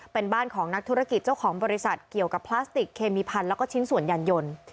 เป็นบ้านของนักธุรกิจเจ้าของบริษัทเกี่ยวกับพลาสติกเคมีพันธุ์แล้วก็ชิ้นส่วนยานยนต์